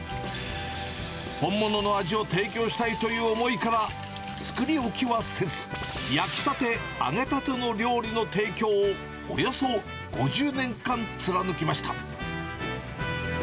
本物の味を提供したいという思いから、作り置きはせず、焼きたて、揚げたての料理の提供をおよそ５０年間貫きました。